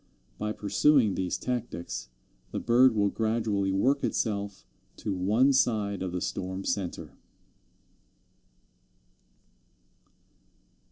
By pursuing these tactics, the bird will gradually work itself to one side of the storm centre.